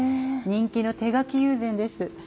人気の手描き友禅です。